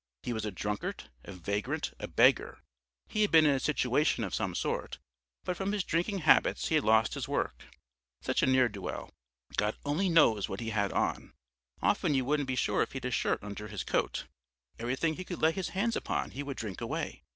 He was a drunkard, a vagrant, a beggar, he had been in a situation of some sort, but from his drinking habits he had lost his work. Such a ne'er do weel! God only knows what he had on! Often you wouldn't be sure if he'd a shirt under his coat; everything he could lay his hands upon he would drink away.